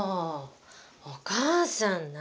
お母さん何？